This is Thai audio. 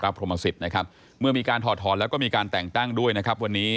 พระพรมสิตนะครับเมื่อมีการถอดถอนแล้วก็มีการแต่งตั้งด้วยนะครับ